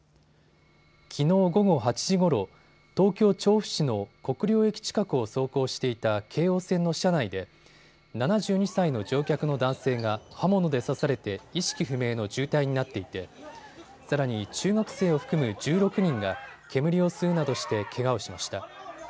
きのう午後８時ごろ東京調布市の国領駅近くを走行していた京王線の車内で７２歳の乗客の男性が刃物で刺されて意識不明の重体になっていてさらに中学生を含む１６人が煙を吸うなどしてけがをしました。